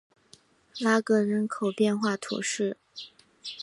拉戈人口变化图示